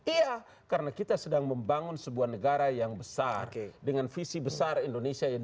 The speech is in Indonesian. iya karena kita sedang membangun sebuah negara yang besar dengan visi besar indonesia ini